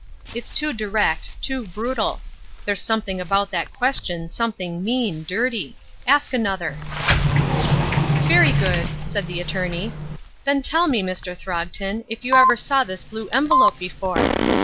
It's too direct, too brutal; there's something about that question, something mean, dirty. Ask another." "Very good," said the attorney. "Then tell me, Mr. Throgton, if you ever saw this blue envelope before?"